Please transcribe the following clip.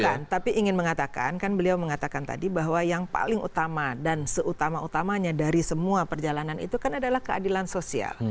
bukan tapi ingin mengatakan kan beliau mengatakan tadi bahwa yang paling utama dan seutama utamanya dari semua perjalanan itu kan adalah keadilan sosial